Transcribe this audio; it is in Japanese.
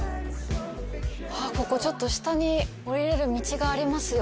ここ、ちょっと下に下りれる道がありますよ。